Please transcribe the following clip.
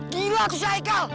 gila susah ya kal